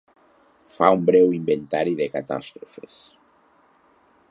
Fa un breu inventari de catàstrofes.